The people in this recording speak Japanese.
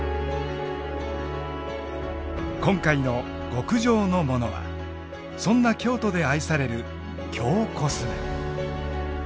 今回の極上のモノはそんな京都で愛される京コスメ。